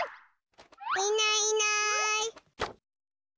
いないいない。